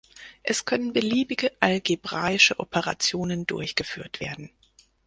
Es können beliebige algebraische Operationen durchgeführt werden.